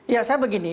ya saya begini